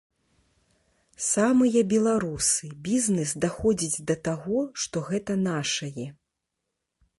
Самыя беларусы, бізнэс даходзіць да таго, што гэта нашае.